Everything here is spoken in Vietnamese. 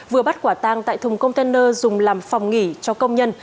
vừa bắt quả tang tại thùng container dùng làm phòng nghỉ cho công nhân